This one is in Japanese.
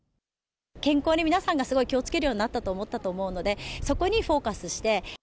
健康に皆さんがすごい気をつけるようになったと思うので、そこにフォーカスして。